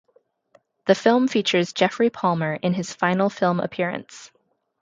The film features Geoffrey Palmer in his final film appearance.